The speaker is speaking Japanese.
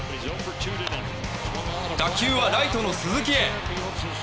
打球はライトの鈴木へ。